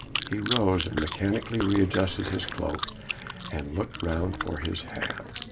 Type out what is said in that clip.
He rose and mechanically re adjusted his cloak and looked round for his hat.